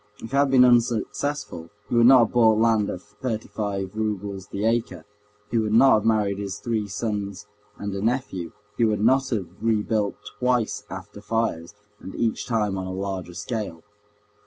If it had been unsuccessful he would not have bought land at thirty five roubles the acre, he would not have married his three sons and a nephew, he would not have rebuilt twice after fires, and each time on a larger scale.